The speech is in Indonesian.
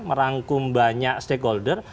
merangkum banyak stakeholder